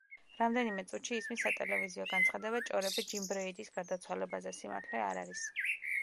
რამდენიმე წუთში ისმის სატელევიზიო განცხადება „ჭორები ჯიმ ბრეიდის გარდაცვალებაზე სიმართლე არ არის“.